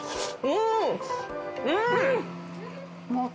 うん！